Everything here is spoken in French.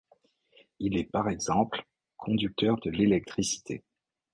Il est par exemple conducteur de l'électricité.